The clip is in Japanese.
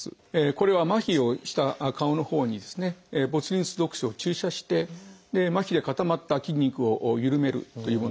これは麻痺をした顔のほうにボツリヌス毒素を注射して麻痺で固まった筋肉を緩めるというものです。